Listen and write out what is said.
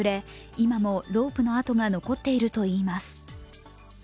今もロープの痕が残っているといいます。